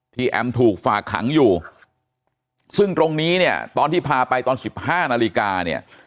แอมถูกฝากขังอยู่ซึ่งตรงนี้เนี่ยตอนที่พาไปตอน๑๕นาฬิกาเนี่ย